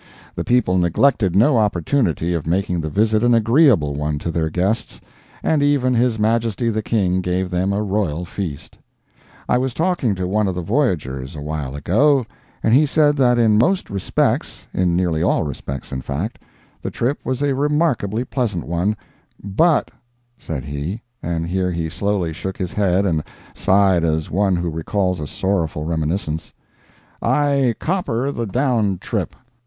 The people neglected no opportunity of making the visit an agreeable one to their guests, and even his Majesty the King gave them a royal feast. I was talking to one of the voyageurs a while ago, and he said that in most respects—in nearly all respects, in fact—the trip was a remarkably pleasant one, "but," said he, (and here he slowly shook his head and sighed as one who recalls a sorrowful reminiscence,) "I copper the down trip!"